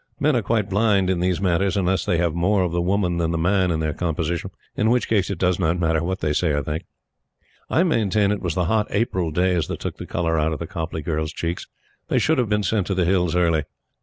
Men are quite blind in these matters unless they have more of the woman than the man in their composition, in which case it does not matter what they say or think. I maintain it was the hot April days that took the color out of the Copleigh girls' cheeks. They should have been sent to the Hills early.